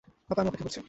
আপা, আমি অপেক্ষা করছি।